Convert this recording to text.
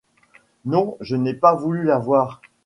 Non, je n'ai pas voulu la voir.